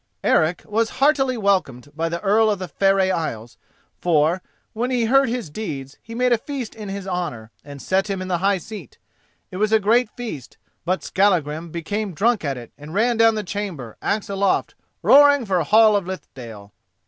Eric was heartily welcomed by the Earl of the Farey Isles, for, when he heard his deeds, he made a feast in his honour, and set him in the high seat. It was a great feast, but Skallagrim became drunk at it and ran down the chamber, axe aloft, roaring for Hall of Lithdale.